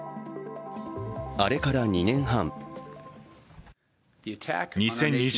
あれから２年半。